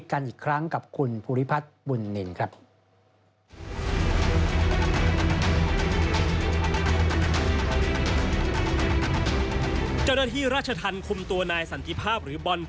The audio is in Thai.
กันอีกครั้งกับคุณภูริพัฒน์บุญนินครับ